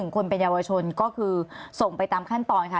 คนเป็นเยาวชนก็คือส่งไปตามขั้นตอนค่ะ